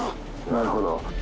なるほど。